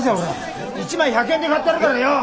１枚１００円で買ってやるからよ。